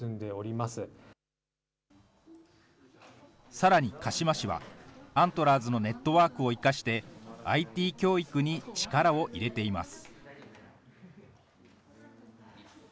さらに鹿嶋市は、アントラーズのネットワークを生かして、ＩＴ教育に力を入れています。